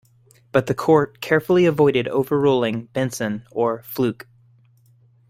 But the Court carefully avoided overruling "Benson" or "Flook".